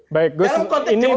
baik gus ini berarti artinya